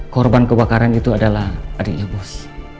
korban kebakaran itu adalah adiknya bos